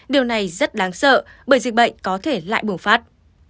điều này rất đáng sợ bởi dịch bệnh có thể lại bùng phát